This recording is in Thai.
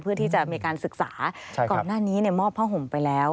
เพื่อที่จะมีการศึกษาก่อนหน้านี้มอบผ้าห่มไปแล้ว